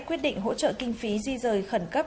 quyết định hỗ trợ kinh phí di rời khẩn cấp